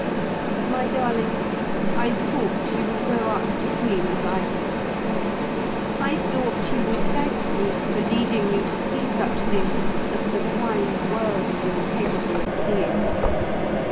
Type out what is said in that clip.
"My darling, I thought you would grow up to feel as I did; I thought you would thank me for leading you to see such things as the blind world is incapable of seeing.